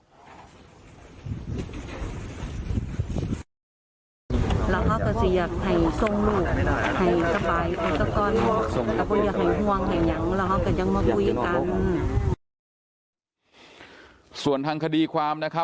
พูดอย่างรอบกล้อง